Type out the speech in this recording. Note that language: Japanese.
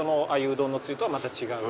うどんのつゆとはまた違う？